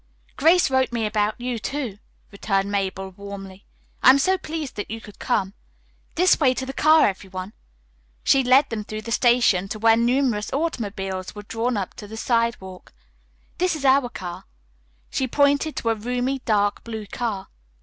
"Grace wrote me about you, too," returned Mabel warmly. "I am so pleased that you could come. This way to the car, everyone." She led them through the station to where numerous automobiles were drawn up to the sidewalk. "There is our car." She pointed to a roomy dark blue car.